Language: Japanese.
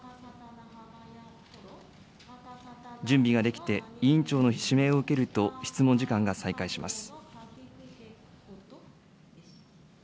準備ができて、委員長の指名を受けると、質問時間が再開します。